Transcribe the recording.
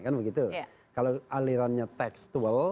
kalau alirannya tekstual